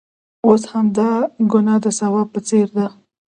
اوس همدا ګناه د ثواب په څېر ده.